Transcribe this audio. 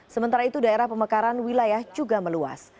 sementara itu daerah pemekaran wilayah juga meluas